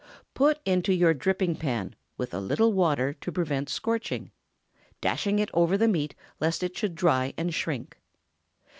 Put into your dripping pan, with a little water to prevent scorching; dashing it over the meat lest it should dry and shrink.